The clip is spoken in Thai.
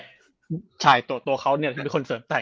พี่แมนรู้สึกว่าตัวเขาเนี่ยคนเสริมแต่ง